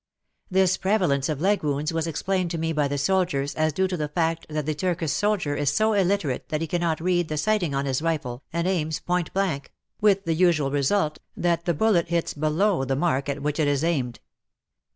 This prevalence of leg wounds was explained to me by the soldiers as due to the fact that the Turkish soldier is so illiterate that he cannot read the sighting on his rifle and aims point blank, with the usual result that the 1 66 WAR AND WOMEN bullet hits below the mark at which it is aimed.